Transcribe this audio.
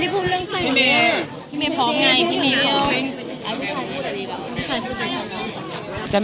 ขอบคุณครับ